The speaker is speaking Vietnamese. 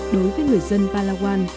đối với người dân palawan